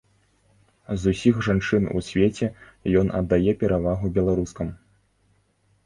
З усіх жанчын у свеце ён аддае перавагу беларускам.